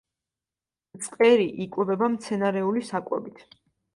მწყერი იკვებება მცენარეული საკვებით.